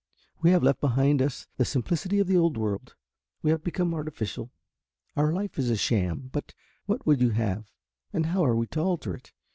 We have left behind us the simplicity of the old world, we have become artificial, our life is a sham but what would you have and how are we to alter it?